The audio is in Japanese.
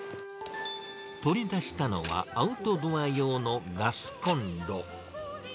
取り出したのはアウトドア用のガスコンロ。